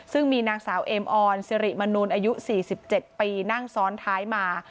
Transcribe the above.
ซึ่งมีนางสาวเอมออนสิริมนูลอายุ๔๗ปีนั่งซ้อนท้ายมา